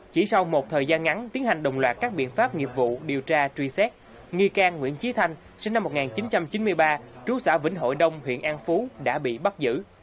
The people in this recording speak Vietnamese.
chỉ sau một thời gian ngắn tiến hành đồng loạt các biện pháp nghiệp vụ điều tra truy xét nghi can nguyễn trí thanh sinh năm một nghìn chín trăm chín mươi ba trú xã vĩnh hội đông huyện an phú đã bị bắt giữ